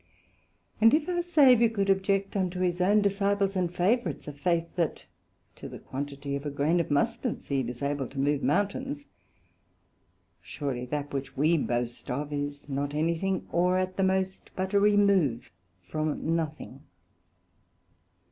And if our Saviour could object unto his own Disciples and Favourites, a Faith, that, to the quantity of a grain of Mustard seed, is able to remove Mountains; surely that which we boast of, is not any thing, or at the most, but a remove from nothing.